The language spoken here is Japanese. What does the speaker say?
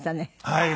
はい。